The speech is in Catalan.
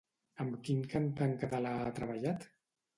Amb quin cantant català ha treballat?